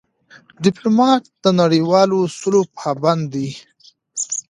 ډيپلومات د نړیوالو اصولو پابند وي.